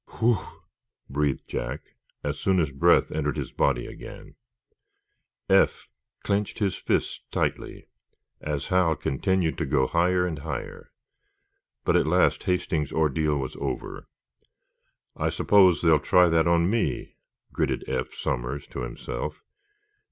"Woof!" breathed Jack, as soon as breath entered his body again. Eph clenched his fists tightly, as Hal continued to go higher and higher. But at last Hastings's ordeal was over. "I suppose they'll try that on me!" gritted Eph Somers to himself.